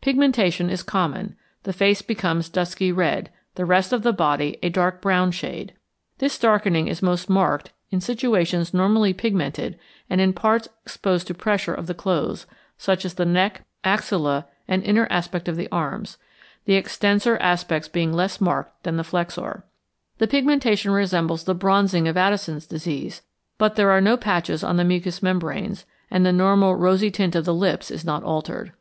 Pigmentation is common; the face becomes dusky red, the rest of the body a dark brown shade. This darkening is most marked in situations normally pigmented and in parts exposed to pressure of the clothes, such as the neck, axilla, and inner aspect of the arms, the extensor aspects being less marked than the flexor. The pigmentation resembles the bronzing of Addison's disease, but there are no patches on the mucous membranes, and the normal rosy tint of the lips is not altered.